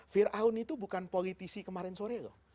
fir'aun itu bukan politisi kemarin sore loh